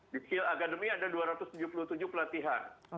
di skill academy ada dua ratus tujuh puluh tujuh pelatihan